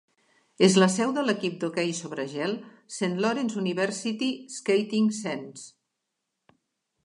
És la seu de l'equip d'hoquei sobre gel Saint Lawrence University Skating Saints.